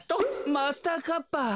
マスターカッパー。